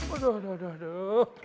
aduh aduh aduh